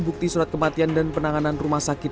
bukti surat kematian dan penanganan rumah sakit